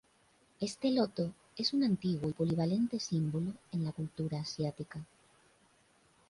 Este loto es un antiguo y polivalente símbolo en la cultura asiática.